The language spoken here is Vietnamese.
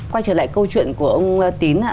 quay trở lại câu chuyện của ông tín ạ